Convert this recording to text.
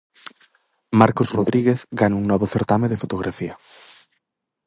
Marcos Rodríguez gana un novo certame de fotografía.